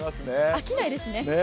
飽きないですね。